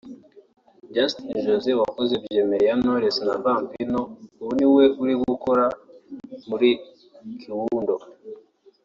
Justin Jose wakoze byemere ya Knowless na Vampino ubu ni we uri gukorera muri Kiwundo